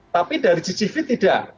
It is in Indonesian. tapi dari cctv tidak